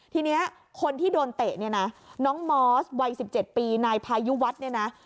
ทีนี้คนที่โดนเตะนี่น้องมอสวัย๑๗ปีนายพายุวัฒน์